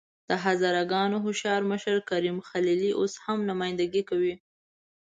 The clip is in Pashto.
د هزاره ګانو هوښیار مشر کریم خلیلي اوس هم نمايندګي کوي.